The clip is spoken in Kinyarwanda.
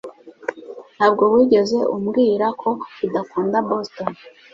Ntabwo wigeze umbwira ko udakunda Boston.